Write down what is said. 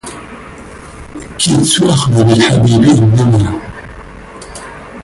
كدت أخلو بالحبيب إنما